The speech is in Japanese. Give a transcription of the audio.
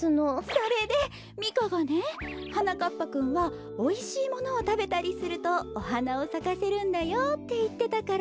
それでミカがね「はなかっぱくんはおいしいものをたべたりするとおはなをさかせるんだよ」っていってたから。